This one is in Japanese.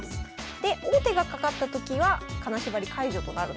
で王手がかかったときは金縛り解除となる。